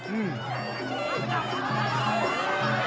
อืม